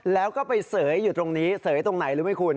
แล้วก็ไปเสยค่ะหรือไม่คุณ